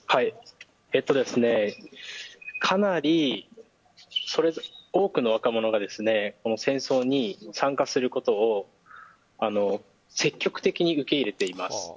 かなり多くの若者が戦争に参加することを積極的に受け入れています。